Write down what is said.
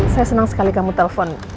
saya senang sekali kamu telpon